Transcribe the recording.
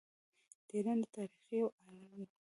د ایران د تاریخ یو عالم وو.